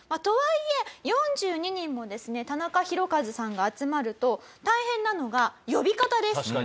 とはいえ４２人もですね田中宏和さんが集まると大変なのが呼び方です。